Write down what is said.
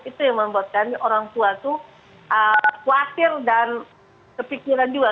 itu yang membuat kami orang tua itu khawatir dan kepikiran juga